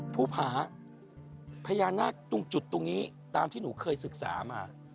ภูผาพญานาคตรงจุดตรงนี้ตามที่หนูเคยศึกษามา